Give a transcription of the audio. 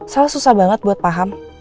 salah susah banget buat paham